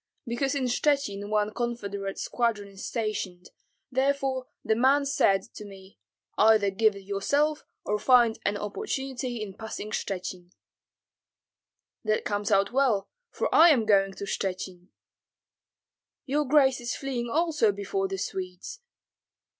"Because in Shchuchyn one confederate squadron is stationed, therefore the man said to me, 'Either give it yourself or find an opportunity in passing Shchuchyn.'" "That comes out well, for I am going to Shchuchyn." "Your grace is fleeing also before the Swedes?"